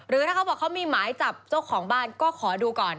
ถ้าเขาบอกเขามีหมายจับเจ้าของบ้านก็ขอดูก่อน